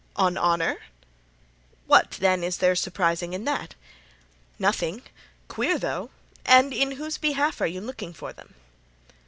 "On honor?" "What, then, is there surprising in that?" "Nothing. Queer, though. And in whose behalf are you looking for them?"